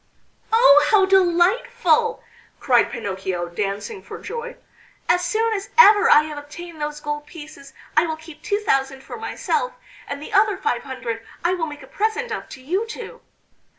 "Oh! how delightful!" cried Pinocchio, dancing for joy, "As soon as ever I have obtained those gold pieces, I will keep two thousand for myself, and the other five hundred I will make a present of to you two."